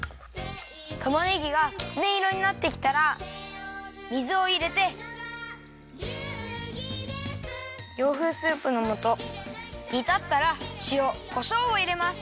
たまねぎがきつねいろになってきたら水をいれて洋風スープのもとにたったらしおこしょうをいれます。